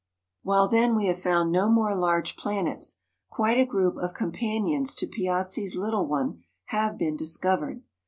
While, then, we have found no more large planets, quite a group of companions to Piazzi's little one have been discovered.